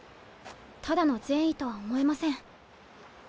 ただの善意とは思えません。